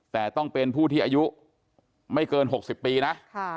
แต่ต้องเป็นผู้ที่อายุไม่เกิน๖๐ปีนะ